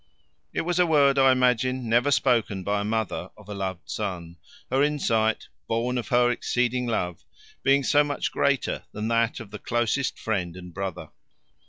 It was a word, I imagine, never spoken by a mother of a loved son, her insight, born of her exceeding love, being so much greater than that of the closest friend and brother.